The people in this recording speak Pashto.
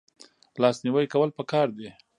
لاس نیوی کول پکار دي